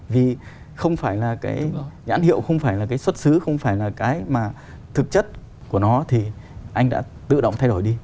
vì không phải là cái nhãn hiệu không phải là cái xuất xứ không phải là cái mà thực chất của nó thì anh đã tự động thay đổi đi